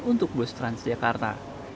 untuk bus transjakarta